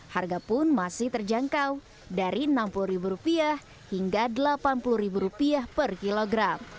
harga pun masih terjangkau dari rp enam puluh hingga rp delapan puluh per kilogram